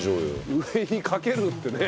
上にかけるってね。